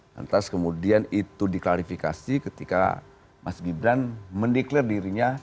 lantas kemudian itu diklarifikasi ketika mas gibran meniklir dirinya